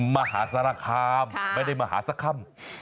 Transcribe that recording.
มหาสารคามไม่ได้มาหาสักค่ำ